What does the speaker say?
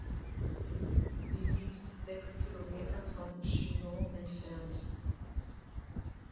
Sie liegt sechs Kilometer von Chinon entfernt.